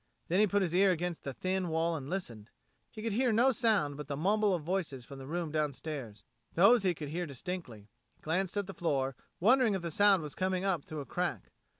Then he put his ear against the thin wall and listened. He could hear no sound but the mumble of voices from the room downstairs; those he could hear distinctly. He glanced about the floor, wondering if the sound was coming up through a crack.